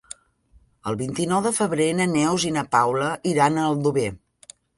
El vint-i-nou de febrer na Neus i na Paula iran a Aldover.